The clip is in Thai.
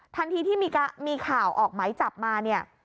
ทันทีที่มีข่าวออกไหมจับมาเนี่ย